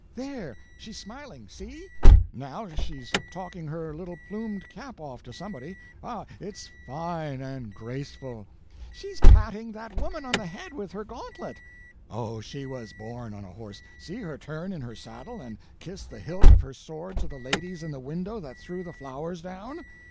"There—she's smiling—see!" "Now she's taking her little plumed cap off to somebody—ah, it's fine and graceful!" "She's patting that woman on the head with her gauntlet." "Oh, she was born on a horse—see her turn in her saddle, and kiss the hilt of her sword to the ladies in the window that threw the flowers down."